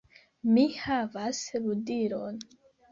"Mi havas ludilon!"